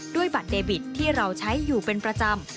ด้วยบัตรเดบิตที่เราใช้อยู่เป็นประจำ